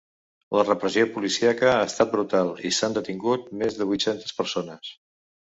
La repressió policíaca ha estat brutal i s’han detingut més de vuit-centes persones.